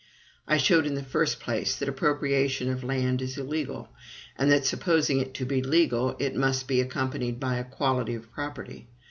I showed, in the first place, that appropriation of land is illegal; and that, supposing it to be legal, it must be accompanied by equality of property.